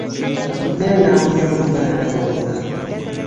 Avuddeyo n'agumya obuganda bwonna